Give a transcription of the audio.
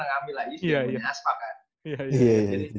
ngambil lah ius di aspak kan iya